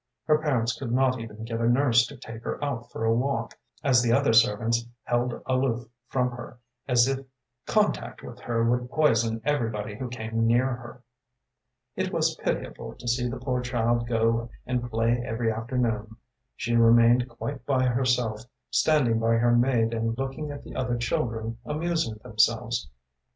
Her parents could not even get a nurse to take her out for a walk, as the other servants held aloof from her, as if contact with her would poison everybody who came near her. “It was pitiable to see the poor child go and play every afternoon. She remained quite by herself, standing by her maid and looking at the other children amusing themselves.